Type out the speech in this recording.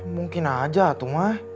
mungkin aja tuh mah